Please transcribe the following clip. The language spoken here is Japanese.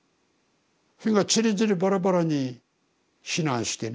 それがちりぢりバラバラに避難してね。